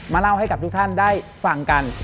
เล่าให้กับทุกท่านได้ฟังกัน